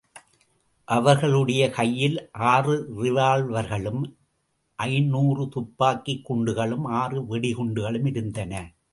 அவர்களுடைய கையில் ஆறு ரிவால்வர்களும், ஐந்நூறுதுப்பாக்கிக் குண்டுகளும், ஆறு வெடிகுண்டுகளும் இருந்தன.